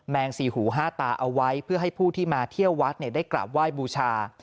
งสี่หูห้าตาเอาไว้เพื่อให้ผู้ที่มาเที่ยววัดได้กราบไหว้บูชา